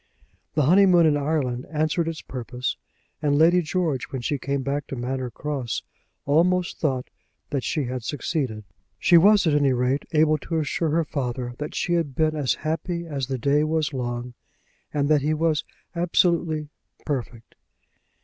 The honeymoon in Ireland answered its purpose, and Lady George, when she came back to Manor Cross, almost thought that she had succeeded. She was at any rate able to assure her father that she had been as happy as the day was long, and that he was absolutely "perfect."